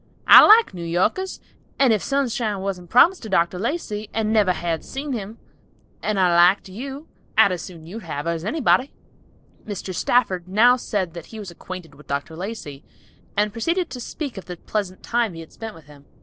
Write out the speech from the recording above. I like New Yorkers, and if Sunshine wasn't promised to Dr. Lacey and never had seen him, and I liked you, I'd as soon you'd have her as anybody." Mr. Stafford now said that he was acquainted with Dr. Lacey, and proceeded to speak of the pleasant time he had spent with him.